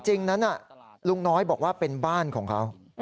จริงนั้นลุงน้อยบอกว่าเป็นบ้านของเขา